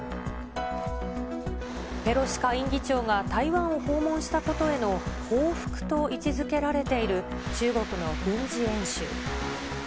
ペロシ下院議長が台湾を訪問したことへの報復と位置づけられている中国の軍事演習。